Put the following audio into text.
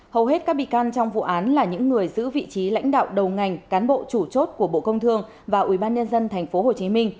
hầu hết các bị can trong vụ án là những người giữ vị trí lãnh đạo đầu ngành cán bộ chủ chốt của bộ công thương và ubnd tp hcm